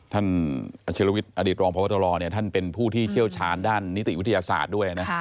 ท่านเชียรวิตอดีตรองผู้บัญชาการตำรวจเนี้ยท่านเป็นผู้ที่เชี่ยวชาญด้านนิติวิทยาศาสตร์ด้วยนะ